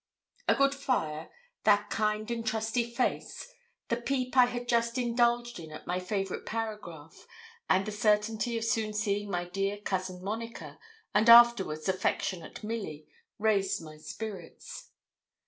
A good fire, that kind and trusty face, the peep I had just indulged in at my favourite paragraph, and the certainty of soon seeing my dear cousin Monica, and afterwards affectionate Milly, raised my spirits.